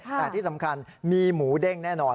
แต่ที่สำคัญมีหมูเด้งแน่นอน